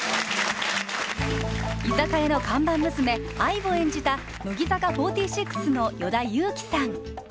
居酒屋の看板娘愛を演じた乃木坂４６の与田祐希さん